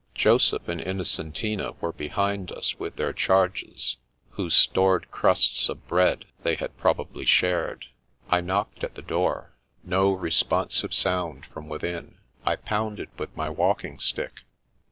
Joseph and Innocentina were behind us with their charges, whose stored crusts of bread they had prob ably shared. I knocked at the door. No respon sive sound from within. I pounded with my walk ing stick.